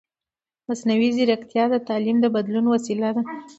مصنوعي ځیرکتیا د تعلیمي بدلون وسیله ده.